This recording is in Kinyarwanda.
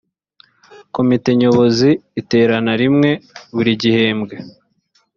komite nyobozi iterana rimwe buri gihembwe